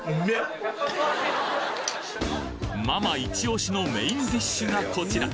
ママ一押しのメインディッシュがこちら！